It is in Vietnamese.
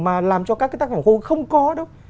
mà làm cho các tác phẩm khô không có đâu